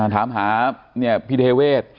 ถามหาพี่เทเวศ